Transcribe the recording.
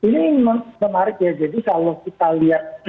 nah ini memang menarik ya jadi